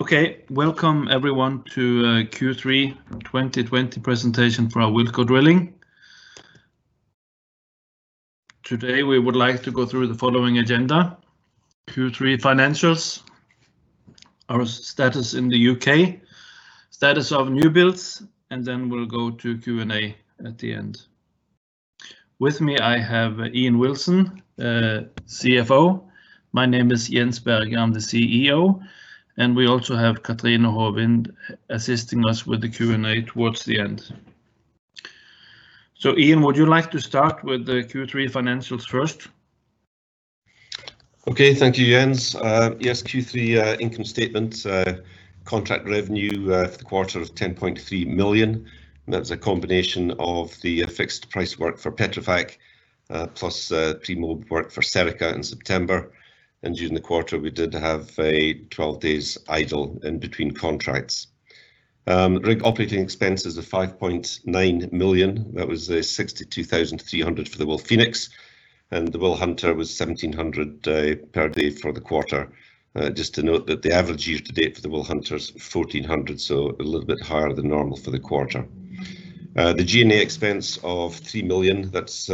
Okay. Welcome everyone to Q3 2020 presentation for Awilco Drilling. Today, we would like to go through the following agenda. Q3 financials, our status in the U.K., status of new builds, and then we'll go to Q&A at the end. With me, I have Ian Wilson, CFO. My name is Jens Berge, I'm the CEO, and we also have Cathrine Haavind assisting us with the Q&A towards the end. Ian, would you like to start with the Q3 financials first? Okay, thank you, Jens. Q3 income statement contract revenue for the quarter of $10.3 million. That's a combination of the fixed price work for Petrofac, plus pre-mob work for Serica in September. During the quarter, we did have 12 days idle in between contracts. Rig operating expenses of $5.9 million. That was $62,300 for the WilPhoenix, the WilHunter was $1,700 per day for the quarter. Just to note that the average year to date for the WilHunter is $1,400, a little bit higher than normal for the quarter. The G&A expense of $3 million. That's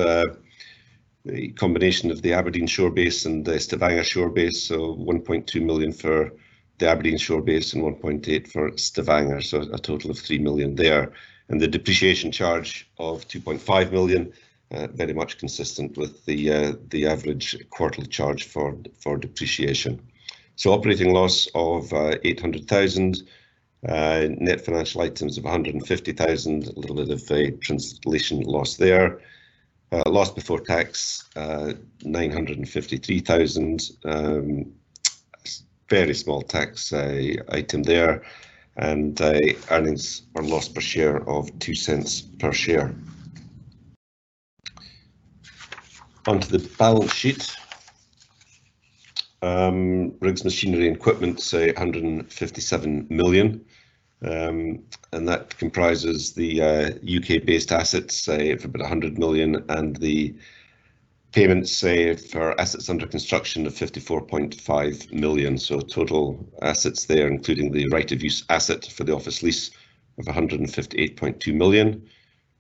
the combination of the Aberdeen shore base, the Stavanger shore base, $1.2 million for the Aberdeen shore base, $1.8 for Stavanger, a total of $3 million there. The depreciation charge of $2.5 million, very much consistent with the average quarterly charge for depreciation. Operating loss of $800,000. Net financial items of $150,000, a little bit of a translation loss there. Loss before tax, $953,000. Very small tax item there. Earnings or loss per share of $0.02 per share. On to the balance sheet. Rigs, machinery and equipment, $157 million, and that comprises the U.K. based assets of about $100 million, and the payments for assets under construction of $54.5 million. Total assets there, including the right of use asset for the office lease of $158.2 million.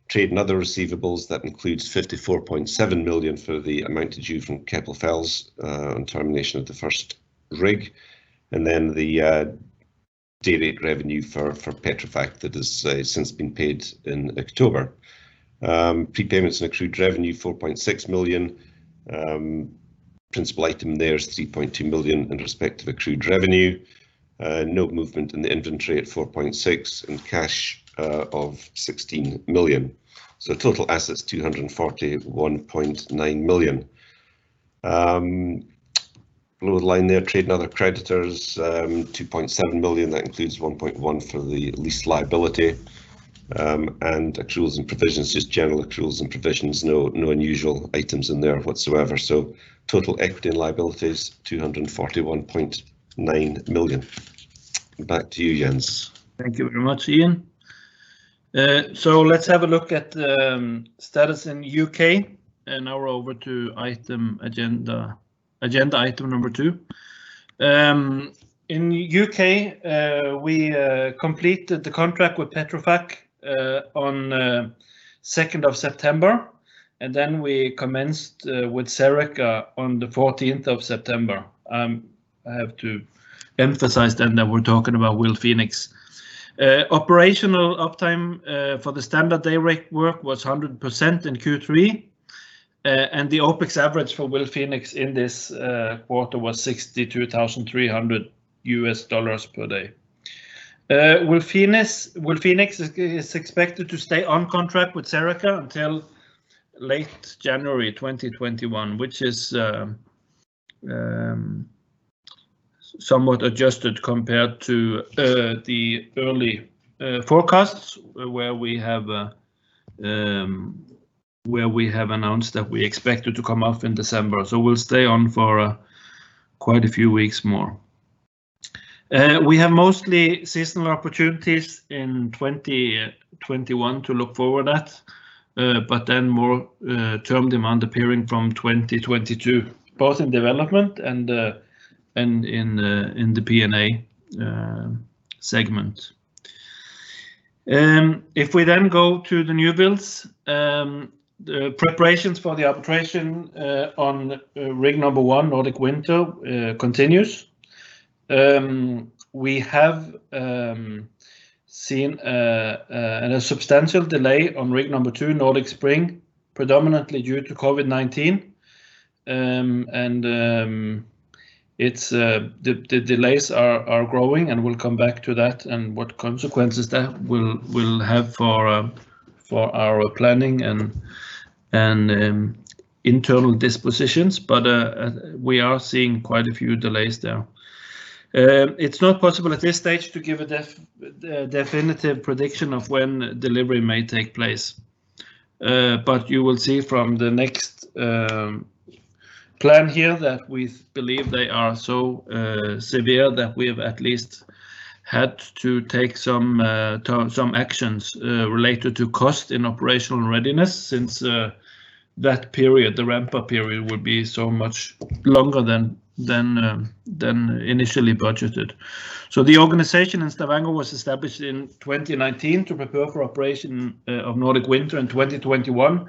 Trade and other receivables, that includes $54.7 million for the amount due from Keppel FELS on termination of the first rig. The dayrate revenue for Petrofac that has since been paid in October. Prepayments and accrued revenue, $4.6 million. Principal item there is $3.2 million in respect of accrued revenue. No movement in the inventory at $4.6 million, and cash of $16 million. Total assets $241.9 million. Blue line there, trade and other creditors, $2.7 million. That includes $1.1 million for the lease liability, and accruals and provisions, just general accruals and provisions, no unusual items in there whatsoever. Total equity and liabilities, $241.9 million. Back to you, Jens. Thank you very much, Ian. Let's have a look at the status in U.K., and now we're over to agenda item number two. In U.K., we completed the contract with Petrofac on September 2nd, we commenced with Serica on September 14th. I have to emphasize that we're talking about WilPhoenix. Operational uptime for the standard dayrate work was 100% in Q3, the OpEx average for WilPhoenix in this quarter was $62,300 per day. WilPhoenix is expected to stay on contract with Serica until late January 2021, which is somewhat adjusted compared to the early forecasts, where we have announced that we expected to come off in December, we'll stay on for quite a few weeks more. We have mostly seasonal opportunities in 2021 to look forward at, but then more term demand appearing from 2022, both in development and in the P&A segment. If we then go to the new builds, the preparations for the operation on rig number one, Nordic Winter, continues. We have seen a substantial delay on rig number two, Nordic Spring, predominantly due to COVID-19. The delays are growing, and we'll come back to that and what consequences that will have for our planning and internal dispositions, but we are seeing quite a few delays there. It's not possible at this stage to give a definitive prediction of when delivery may take place. You will see from the next plan here that we believe they are so severe that we at least had to take some actions related to cost and operational readiness since that period, the ramp-up period, would be so much longer than initially budgeted. The organization in Stavanger was established in 2019 to prepare for operation of Nordic Winter in 2021.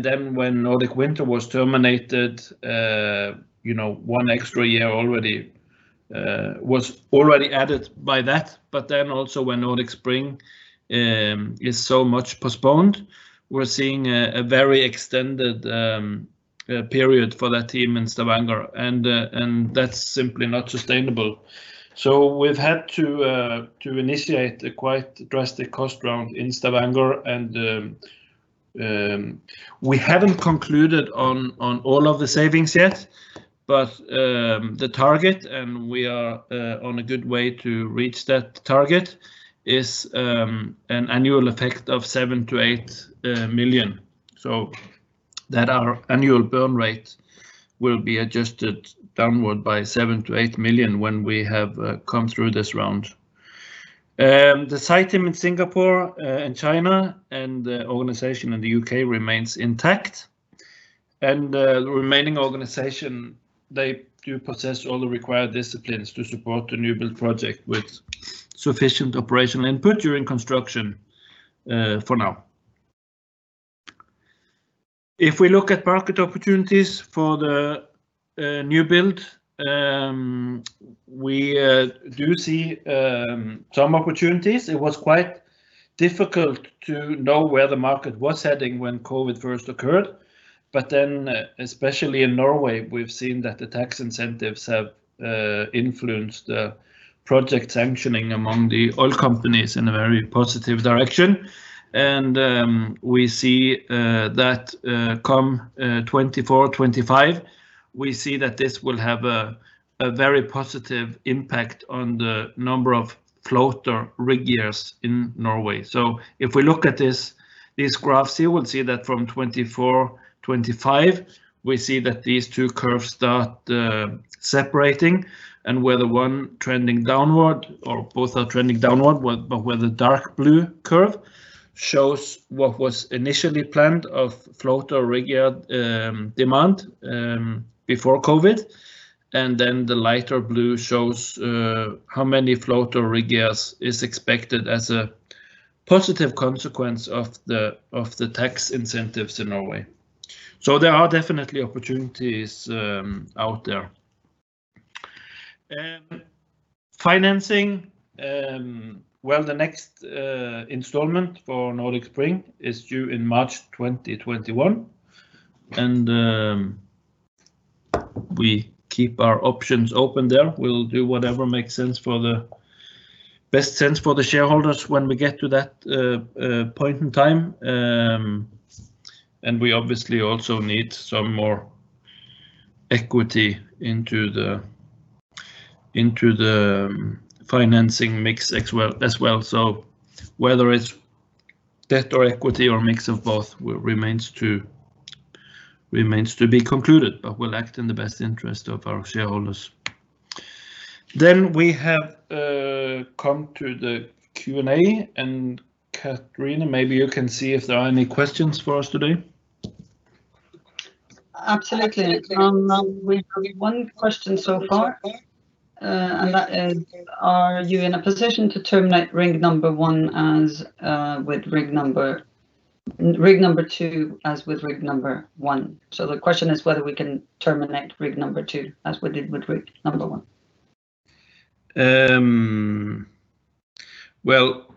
Then when Nordic Winter was terminated, one extra year was already added by that. Also when Nordic Spring is so much postponed, we're seeing a very extended period for that team in Stavanger, and that's simply not sustainable. We've had to initiate a quite drastic cost round in Stavanger, and we haven't concluded on all of the savings yet. The target, and we are on a good way to reach that target, is an annual effect of $7 million-$8 million. That our annual burn rate will be adjusted downward by $7 million-$8 million when we have come through this round. The site team in Singapore and China and the organization in the U.K. remains intact. The remaining organization, they do possess all the required disciplines to support the new build project with sufficient operational input during construction for now. If we look at market opportunities for the new build, we do see some opportunities. It was quite difficult to know where the market was heading when COVID-19 first occurred. Especially in Norway, we've seen that the tax incentives have influenced project sanctioning among the oil companies in a very positive direction. We see that come 2024-2025, we see that this will have a very positive impact on the number of floater rig years in Norway. If we look at these graphs here, we'll see that from 2024-2025, we see that these two curves start separating and where the one trending downward, or both are trending downward. Where the dark blue curve shows what was initially planned of floater rig year demand before COVID, and then the lighter blue shows how many floater rig years is expected as a positive consequence of the tax incentives in Norway. There are definitely opportunities out there. Financing. Well, the next installment for Nordic Spring is due in March 2021, and we keep our options open there. We'll do whatever makes sense for the shareholders when we get to that point in time. We obviously also need some more equity into the financing mix as well. Whether it's debt or equity or a mix of both remains to be concluded, but we'll act in the best interest of our shareholders. We have come to the Q&A. Cathrine, maybe you can see if there are any questions for us today. Absolutely. We've had one question so far, and that is, are you in a position to terminate rig number two as with rig number one? The question is whether we can terminate rig number two as we did with rig number one. Well,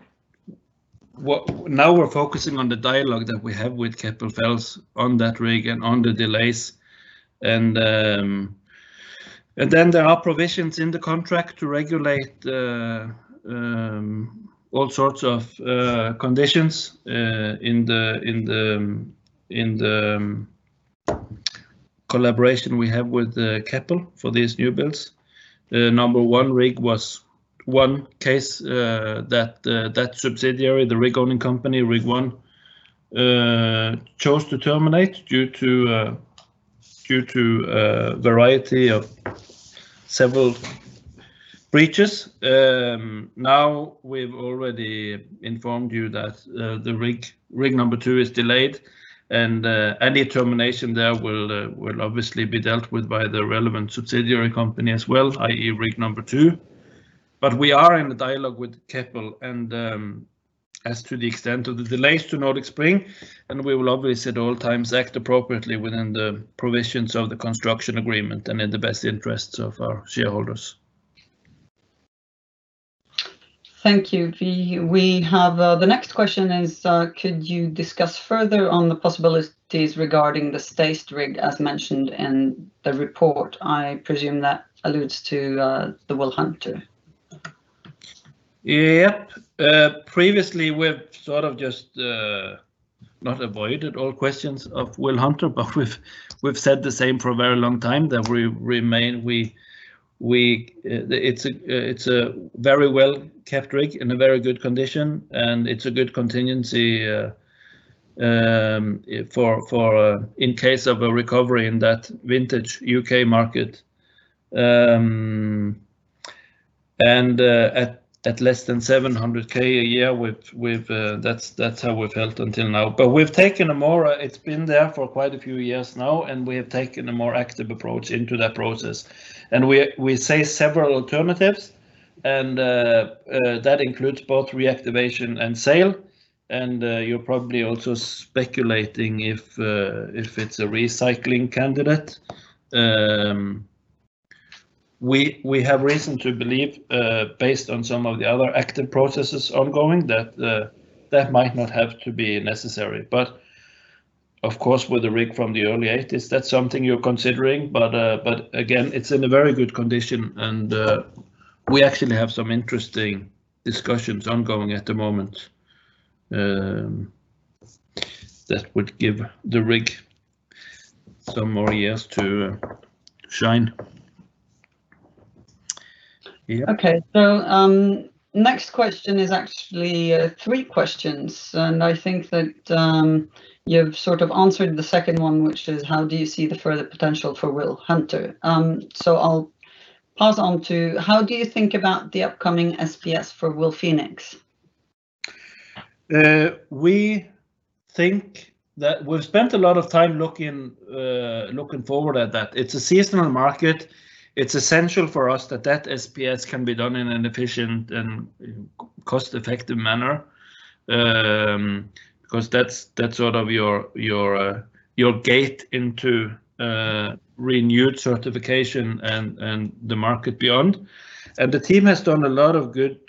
now we're focusing on the dialogue that we have with Keppel FELS on that rig and on the delays. There are provisions in the contract to regulate all sorts of conditions in the collaboration we have with Keppel for these new builds. Rig number one was one case that that subsidiary, the rig-owning company, Rig 1, chose to terminate due to a variety of several breaches. Now we've already informed you that the Rig number two is delayed, and any termination there will obviously be dealt with by the relevant subsidiary company as well, i.e. Rig number two. We are in dialogue with Keppel and as to the extent of the delays to Nordic Spring, and we will obviously at all times act appropriately within the provisions of the construction agreement and in the best interests of our shareholders. Thank you. We have the next question is, could you discuss further on the possibilities regarding the stacked rig as mentioned in the report? I presume that alludes to the WilHunter. Yep. Previously, we've sort of just, not avoided all questions of WilHunter, but we've said the same for a very long time. It's a very well kept rig in a very good condition, and it's a good contingency in case of a recovery in that vintage U.K. market. At less than $700,000 a year, that's how we've held until now. It's been there for quite a few years now, and we have taken a more active approach into that process. We say several alternatives, and that includes both reactivation and sale, and you're probably also speculating if it's a recycling candidate. We have reason to believe, based on some of the other active processes ongoing, that that might not have to be necessary. Of course, with a rig from the early 1980s, that's something you're considering. Again, it's in a very good condition, and we actually have some interesting discussions ongoing at the moment that would give the rig some more years to shine. Yeah. Okay. Next question is actually three questions, and I think that you've sort of answered the second one, which is how do you see the further potential for WilHunter? I'll pass on to, how do you think about the upcoming SPS for WilPhoenix? We've spent a lot of time looking forward at that. It's a seasonal market. It's essential for us that that SPS can be done in an efficient and cost-effective manner, because that's sort of your gate into renewed certification and the market beyond. The team has done a lot of good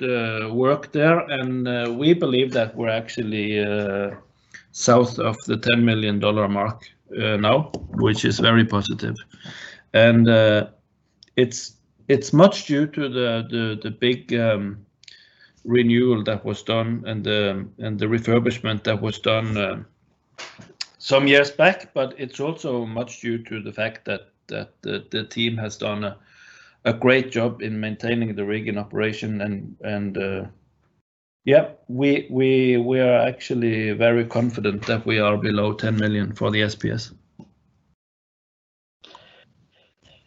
work there, and we believe that we're actually south of the $10 million mark now, which is very positive. It's much due to the big renewal that was done and the refurbishment that was done some years back. It's also much due to the fact that the team has done a great job in maintaining the rig in operation and yeah, we are actually very confident that we are below $10 million for the SPS.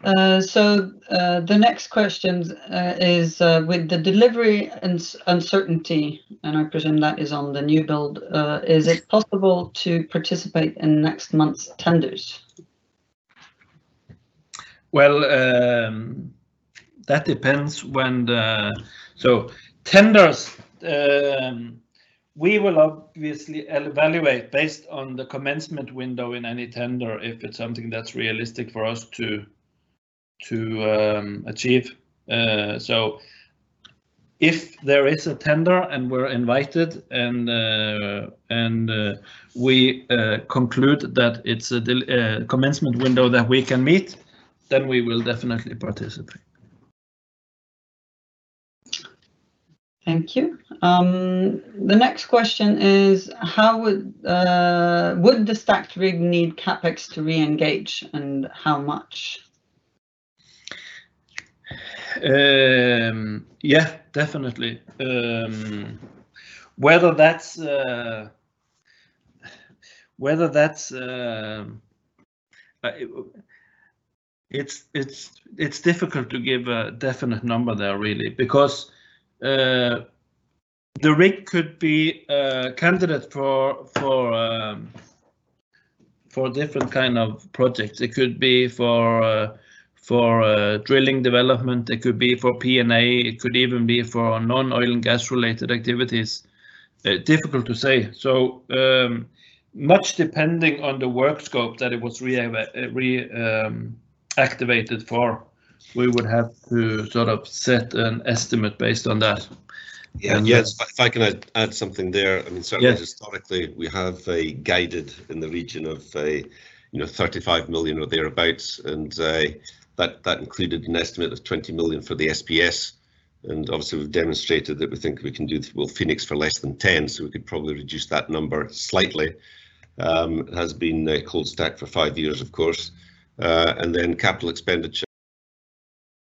The next question is, with the delivery uncertainty, and I presume that is on the new build, is it possible to participate in next month's tenders? Well, that depends. Tenders, we will obviously evaluate based on the commencement window in any tender if it's something that's realistic for us to achieve. If there is a tender and we're invited, and we conclude that it's a commencement window that we can meet, then we will definitely participate. Thank you. The next question is, would the stacked rig need CapEx to reengage, and how much? Yeah, definitely. It's difficult to give a definite number there really, because the rig could be a candidate for different kind of projects. It could be for drilling development, it could be for P&A, it could even be for non-oil and gas-related activities. Difficult to say. Much depending on the work scope that it was reactivated for. We would have to sort of set an estimate based on that. Yeah, if I can add something there. Yeah. Certainly historically, we have a guided in the region of $35 million or thereabouts, and that included an estimate of $20 million for the SPS, and obviously we've demonstrated that we think we can do WilPhoenix for less than $10, so we could probably reduce that number slightly. It has been cold stacked for five years, of course. Capital expenditure